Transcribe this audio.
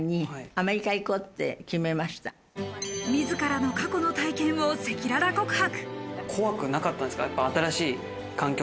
自らの過去の体験を赤裸々告白。